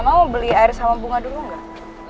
mama mau beli air sama bunga dulu gak